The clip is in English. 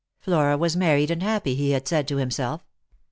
Flora was married and happy, he had said to himself.